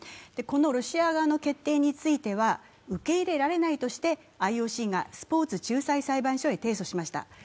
このロシア側の決定については受け入れられないとして、ＩＯＣがスポーツ仲裁裁判所に提訴しました。